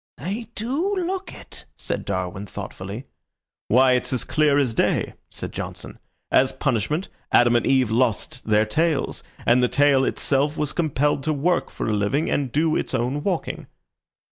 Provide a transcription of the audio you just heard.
"They do look it," said Darwin, thoughtfully. "Why, it's clear as day," said Johnson. "As punishment Adam and Eve lost their tails, and the tail itself was compelled to work for a living and do its own walking."